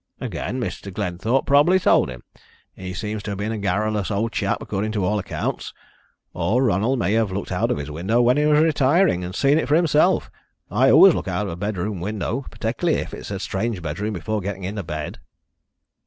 "Again, Mr. Glenthorpe probably told him he seems to have been a garrulous old chap, according to all accounts. Or Ronald may have looked out of his window when he was retiring, and seen it for himself. I always look out of a bedroom window, and particularly if it is a strange bedroom, before getting into bed."